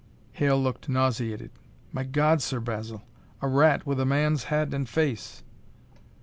Hale looked nauseated. "My God, Sir Basil! A rat with a man's head and face!"